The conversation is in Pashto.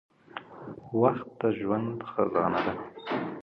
• وخت د ژوند خزانه ده.